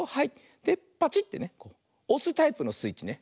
パチッてねおすタイプのスイッチね。